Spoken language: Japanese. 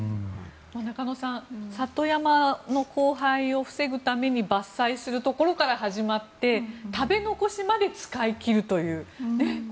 中野さん、里山の荒廃を防ぐために伐採するところから始まって食べ残しまで使い切るという。